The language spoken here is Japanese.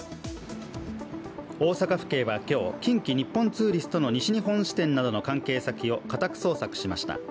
大阪府警は今日、近畿日本ツーリストの西日本支店などの関係先を家宅捜索しました。